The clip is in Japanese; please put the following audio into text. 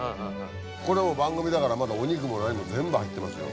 これを番組だからまだお肉も何も全部入ってますよ。